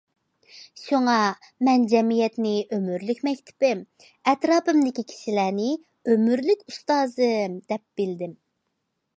شۇڭا مەن جەمئىيەتنى ئۆمۈرلۈك مەكتىپىم، ئەتراپىمدىكى كىشىلەرنى ئۆمۈرلۈك ئۇستازىم دەپ بىلدىم.